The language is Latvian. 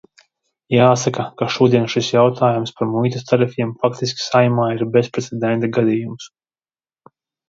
Jāsaka, ka šodien šis jautājums par muitas tarifiem faktiski Saeimā ir bezprecedenta gadījums.